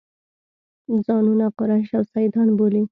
ځانونه قریش او سیدان بولي.